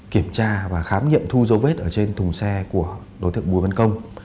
kiểm tra và khám nghiệm thu dấu vết ở trên thùng xe của đối tượng bùi văn công